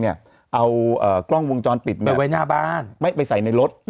เอากล้องวงจรปิดไปใส่ในรถ